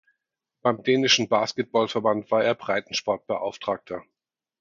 Beim dänischen Basketballverband war er Breitensportbeauftragter.